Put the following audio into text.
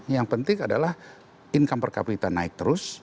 yang penting adalah income per capita naik terus